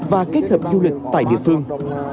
và kết hợp du lịch tại địa phương